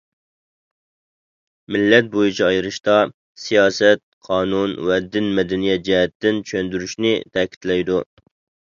مىللەت بويىچە ئايرىشتا سىياسەت قانۇن ۋە دىن مەدەنىيەت جەھەتتىن چۈشەندۈرۈشنى تەكىتلەيدۇ.